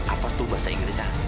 apa tuh bahasa inggris ya